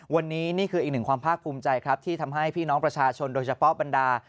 วันนี้นี่คืออีกหนึ่งความภาคภูมิใจครับที่ทำให้พี่น้องประชาชนโดยเฉพาะบรรดา